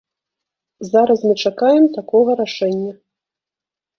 Зараз мы чакаем такога рашэння.